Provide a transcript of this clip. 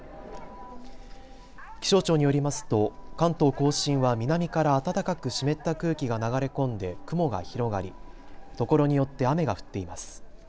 気象庁によりますと関東甲信は南から暖かく湿った空気が流れ込んで雲が広がりところによって雨が降っています。